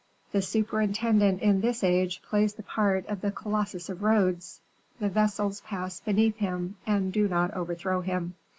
The superintendent in this age plays the part of the Colossus of Rhodes; the vessels pass beneath him and do not overthrow him."